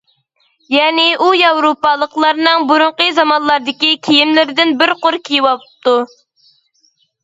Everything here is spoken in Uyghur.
يەنى ئۇ ياۋروپالىقلارنىڭ بۇرۇنقى زامانلاردىكى كىيىملىرىدىن بىر قۇر كىيىۋاپتۇ.